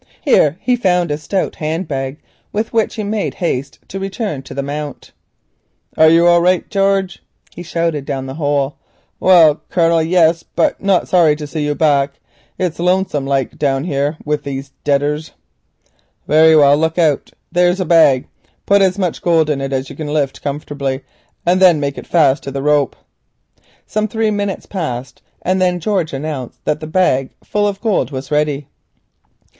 Here he found a stout hand bag, with which he made haste to return to the Mount. "Are you all right, George?" he shouted down the hole. "Well, Colonel, yes, but not sorry to see you back. It's lonesome like down here with these deaders." "Very well. Look out! There's a bag. Put as much gold in it as you can lift comfortably, and then make it fast to the rope." Some three minutes passed, and then George announced that the bagful of gold was ready.